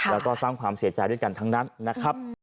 แล้วก็สร้างความเสียใจด้วยกันทั้งนั้นนะครับ